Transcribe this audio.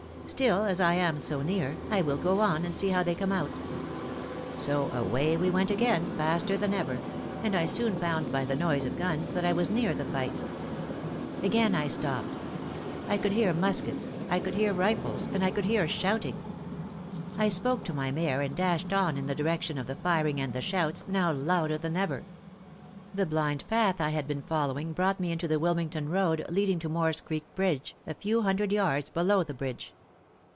Still, as I am so near, I will go on and see how they come out. So away we went again, faster than ever; and I soon found by the noise of guns that I was near the fight. Again I stopped. I could hear muskets, I could hear rifles, and I could hear shouting. I spoke to my mare and dashed on in the direction of the Firing and the shouts, now louder than ever. The blind path I had been following brought me into the Wilmington road leading to Moore's Creek Bridge, a few hundred yards below the bridge.